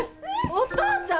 お父ちゃん